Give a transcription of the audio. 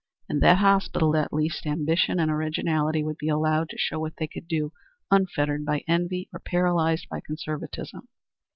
In that hospital, at least, ambition and originality would be allowed to show what they could do unfettered by envy or paralyzed by conservatism.